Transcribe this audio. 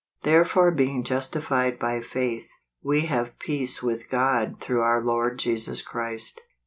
" Therefore being justified by faith, ice have peace with God through our Lord Jesus Christ